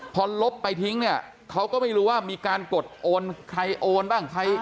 พอลบไปทิ้งเนี่ยเขาก็ไม่รู้ว่ามีการกดโอนใครโอนบ้าง